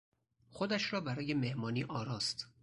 خودش را برای مهمانی آراست.